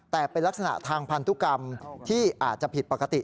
แต่เป็นลักษณะทางพันธุกรรมที่อาจจะผิดปกติ